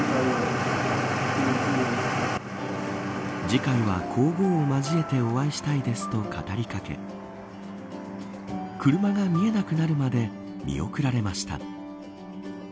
次回は皇后を交えてお会いしたいですと語りかけ車が見えなくなるまで見送られました。